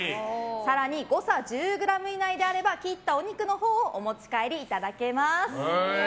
更に誤差１０ｇ以内であれば切ったお肉のほうをお持ち帰りいただけます。